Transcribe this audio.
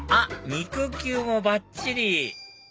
肉球もばっちり！